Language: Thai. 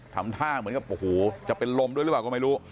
ทำท่าเหมือนกับโอ้โหจะเป็นลมด้วยหรือเปล่าก็ไม่รู้